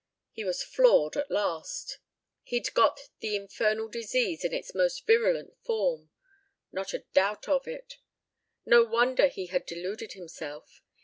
He was floored at last. He'd got the infernal disease in its most virulent form. Not a doubt of it. No wonder he had deluded himself.